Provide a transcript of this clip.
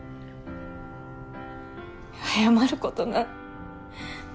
謝ることない